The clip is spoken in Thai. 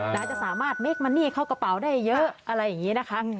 และจะสามารถเงินเข้ากระเป๋าได้เยอะอะไรอย่างนี้นะคะ